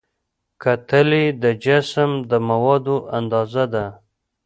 کتلې د جسم د موادو اندازه ده.